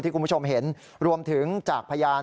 คุณผู้ชมเห็นรวมถึงจากพยาน